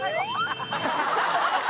ハハハハ！